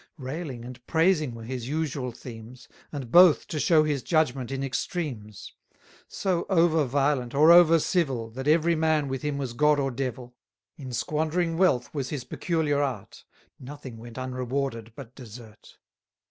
Railing and praising were his usual themes; And both, to show his judgment, in extremes: So over violent, or over civil, That every man with him was God or Devil. In squandering wealth was his peculiar art: Nothing went unrewarded but desert.